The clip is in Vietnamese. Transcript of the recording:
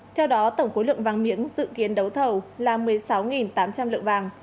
theo đó tổng khối lượng vàng miếng dự kiến đấu thầu là một mươi sáu tám trăm linh lượng vàng